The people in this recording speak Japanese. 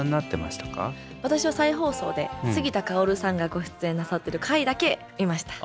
私は再放送で杉田かおるさんがご出演なさってる回だけ見ました。